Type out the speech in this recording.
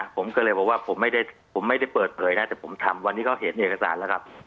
ผมก็เลยบอกว่าผมไม่ได้ผมไม่ได้เปิดเผยนะแต่ผมทำวันนี้เขาเห็นเอกสารแล้วครับ